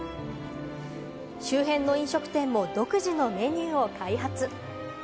周辺の飲食店も独自のメニューを開発。